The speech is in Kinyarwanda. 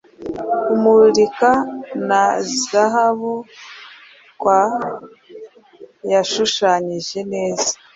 Kumurika na zahabutwas yashushanyije neza